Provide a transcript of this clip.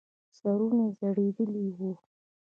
سرونه يې ځړېدلې وو.